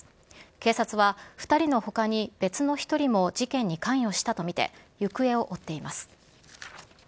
警察は２人のほかに、別の１人も事件に関与したと見て、行方を追っています。